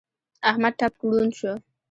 احمد ټپ ړوند شو.